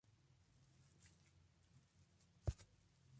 Su capital es la localidad de Huaylas.